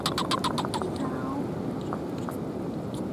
有嗎？